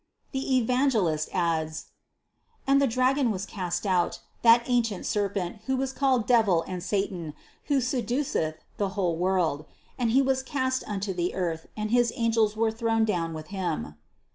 The Evangelist adds: 110. "And the dragon was cast out, that ancient ser pent who is called devil and satan, who seduceth the whole world; and he was cast unto the earth and his angels were thrown down with him."